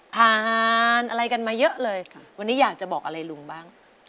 ผ่านอะไรกันมาเยอะเลยค่ะวันนี้อยากจะบอกอะไรลุงบ้าง